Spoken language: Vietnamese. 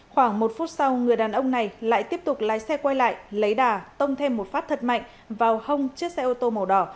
khoảng một phút sau người đàn ông này lại tiếp tục lái xe quay lại lấy đà tông thêm một phát thật mạnh vào hông chiếc xe ô tô màu đỏ